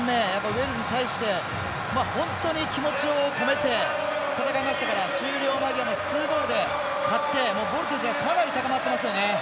ウェールズ、気持ちを込めて戦いましたから終了間際の２ゴールで勝ってボルテージはかなり高まってますよね。